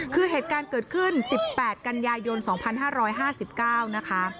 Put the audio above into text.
คือเหตุการณ์เกิดขึ้น๑๘กันยายน๒๕๕๙นะคะ